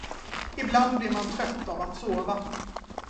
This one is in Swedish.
Ibland blir man trött av att sova.